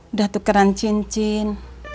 udah tukeran cincin